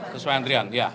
sesuai antrian ya